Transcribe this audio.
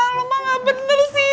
kalau mah gak bener sih